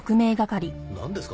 なんですか？